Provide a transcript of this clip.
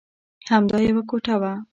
همدا یوه کوټه وه.